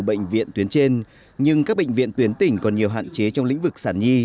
bệnh viện tuyến trên nhưng các bệnh viện tuyến tỉnh còn nhiều hạn chế trong lĩnh vực sản nhi